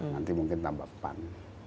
nanti mungkin tambah pan